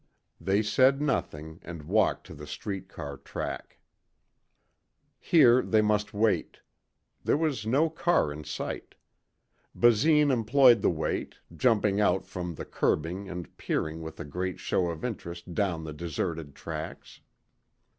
They said nothing and walked to the street car track. Here they must wait. There was no car in sight. Basine employed the wait, jumping out from the curbing and peering with a great show of interest down the deserted tracks.